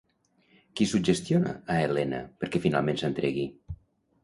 Qui suggestiona a Elena, perquè finalment s'entregui?